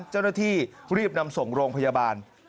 เจ้าหน้าที่รีบนำส่งโรงพยาบาล